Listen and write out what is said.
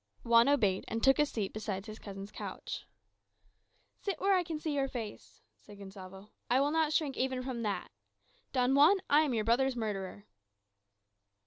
Juan obeyed, and took a seat beside his cousin's couch. "Sit where I can see your face," said Gonsalvo; "I will not shrink even from that. Don Juan, I am your brother's murderer."